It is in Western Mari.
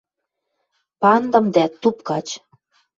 Пандым дӓ — туп гач.